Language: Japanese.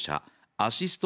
アシスト